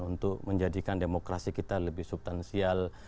untuk menjadikan demokrasi kita lebih subtansial